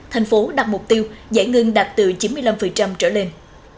tp hcm đạt mục tiêu giải ngân đạt từ chín mươi năm trở lên